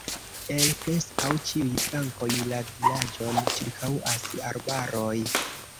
El preskaŭ ĉiuj flankoj la vilaĝon ĉirkaŭas arbaroj.